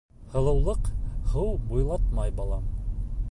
— Һылыулыҡ һыу буйлатмай, балам.